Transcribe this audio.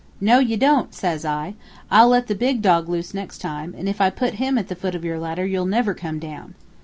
'No, you don't,' says I; 'I'll let the big dog loose next time, and if I put him at the foot of your ladder, you'll never come down.'